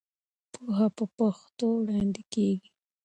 پوهه په پښتو وړاندې کېږي.